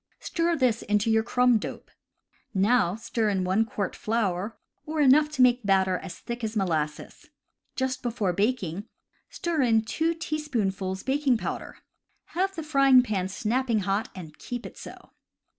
Stir this into your crumb dope. Now stir in 1 quart flour, or enough to make the batter as thick as molasses. Just before baking, stir in 2 teaspoonfuls baking powder. Have the frying pan snapping hot, and keep it so.